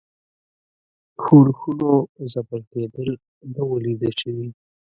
ښورښونو ځپل کېدل نه وه لیده شوي.